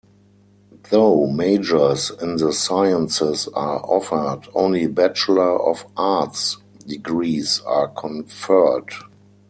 Though majors in the sciences are offered, only Bachelor of Arts degrees are conferred.